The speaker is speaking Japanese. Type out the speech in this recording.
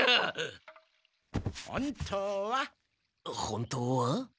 本当は？